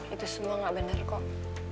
itu semua nggak bener kok